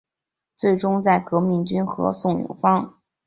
最终在革命军和宋永芳的影响下毅然投身抗战行列。